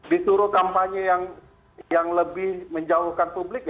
disuruh kampanye yang lebih menjauhkan publik